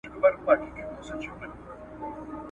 د احکام عشره يوه برخه ده